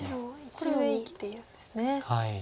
これで生きているんですね。